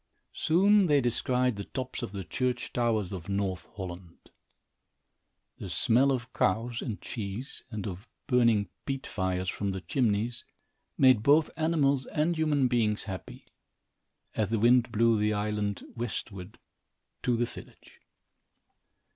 Soon they descried the tops of the church towers of North Holland. The smell of cows and cheese and of burning peat fires from the chimneys made both animals and human beings happy, as the wind blew the island westward to the village.